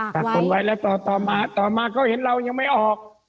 ฝากคนไว้แล้วต่อมาเขาเห็นเรายังไม่ออก